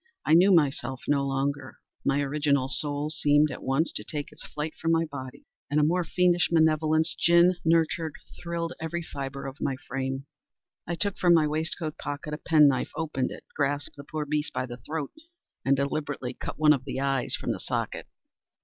I knew myself no longer. My original soul seemed, at once, to take its flight from my body and a more than fiendish malevolence, gin nurtured, thrilled every fibre of my frame. I took from my waistcoat pocket a pen knife, opened it, grasped the poor beast by the throat, and deliberately cut one of its eyes from the socket!